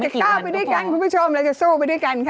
ก้าวไปด้วยกันคุณผู้ชมเราจะสู้ไปด้วยกันค่ะ